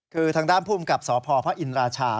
คือทางด้านภูมิกับสพพระอินราชา